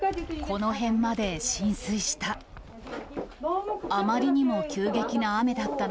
この辺まで浸水した。